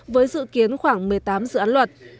với dự kiến khoảng một mươi tám dự án luật